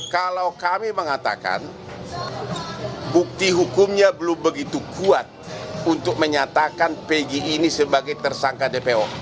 kalau kami mengatakan bukti hukumnya belum begitu kuat untuk menyatakan pg ini sebagai tersangka dpo